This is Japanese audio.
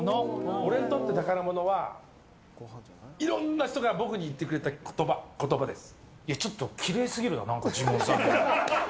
俺にとって宝物はいろんな人が僕に言ってくれた言葉です。